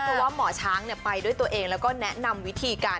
เพราะว่าหมอช้างไปด้วยตัวเองแล้วก็แนะนำวิธีการ